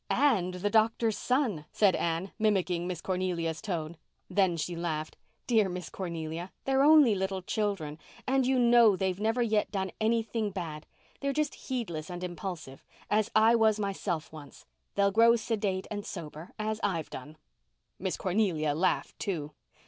"And the doctor's son!" said Anne, mimicking Miss Cornelia's tone. Then she laughed. "Dear Miss Cornelia, they're only little children. And you know they've never yet done anything bad—they're just heedless and impulsive—as I was myself once. They'll grow sedate and sober—as I've done." Miss Cornelia laughed, too.